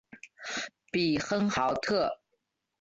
比亨豪特。